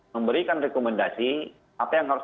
memberikan rekomendasi apa yang harus